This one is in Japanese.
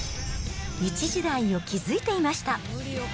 一時代を築いていました。